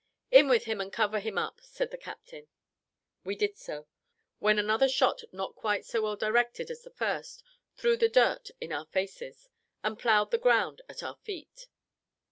"In with him, and cover him up!" said the captain. We did so; when another shot not quite so well directed as the first, threw the dirt in our faces, and ploughed the ground at our feet.